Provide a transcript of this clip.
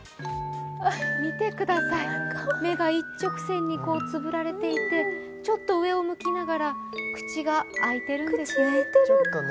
見てください目が一直線につぶられていてちょっと上を向きながら、口が開いているんですね。